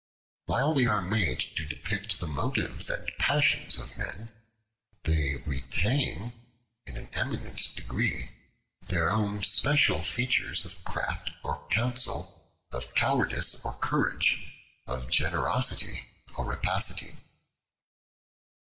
While they are made to depict the motives and passions of men, they retain, in an eminent degree, their own special features of craft or counsel, of cowardice or courage, of generosity or rapacity.